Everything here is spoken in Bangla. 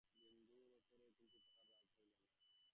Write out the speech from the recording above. বিন্দুর উপরে কিন্তু তাহার রাগ হইল না।